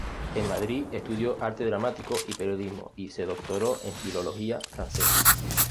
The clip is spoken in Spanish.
En Madrid estudió arte dramático y periodismo y se doctoró en Filología francesa.